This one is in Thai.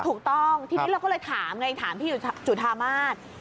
ถูกต้องทีนี้เราก็เลยถามไงถามพี่จุธามาศ